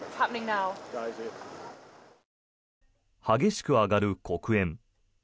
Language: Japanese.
激しく上がる黒煙。